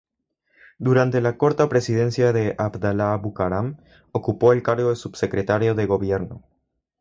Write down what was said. Durante la corta presidencia de Abdalá Bucaram ocupó el cargo de subsecretario de gobierno.